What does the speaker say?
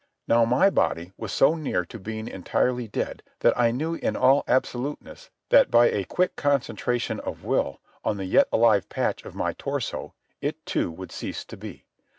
Now, my body was so near to being entirely dead that I knew in all absoluteness that by a quick concentration of will on the yet alive patch of my torso it, too, would cease to be.